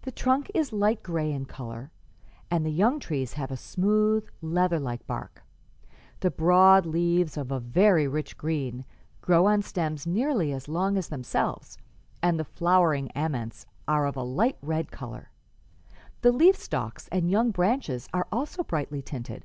The trunk is light gray in color, and the young trees have a smooth, leather like bark. The broad leaves, of a very rich green, grow on stems nearly as long as themselves, and the flowering aments are of a light red color. The leaf stalks and young branches are also brightly tinted.